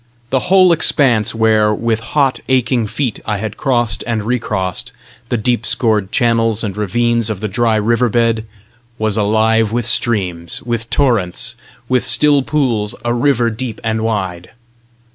The whole expanse where, with hot, aching feet, I had crossed and recrossed the deep scored channels and ravines of the dry river bed, was alive with streams, with torrents, with still pools "a river deep and wide"!